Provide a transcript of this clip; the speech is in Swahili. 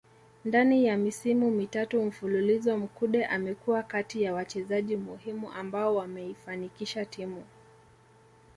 Ndani ya misimu mitatu mfululizo Mkude amekuwa kati ya wachezaji muhimu ambao wameifanikisha timu